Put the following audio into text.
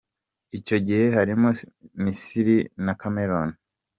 Icyo gihe harimo Misiri na Cameroun.